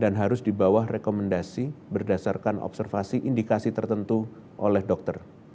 dan harus dibawah rekomendasi berdasarkan observasi indikasi tertentu oleh dokter